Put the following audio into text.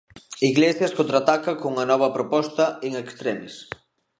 Iglesias contrataca con unha nova proposta in extremis.